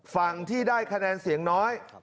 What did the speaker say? ฝั่งที่ได้คะแนนเสียงน้อย